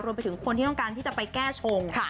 รวมไปถึงคนที่ต้องการที่จะไปแก้ชง